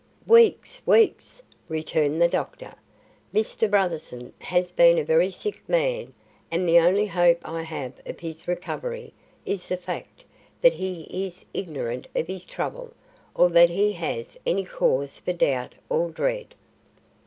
"Weeks, weeks," returned the doctor. "Mr. Brotherson has been a very sick man and the only hope I have of his recovery is the fact that he is ignorant of his trouble or that he has any cause for doubt or dread.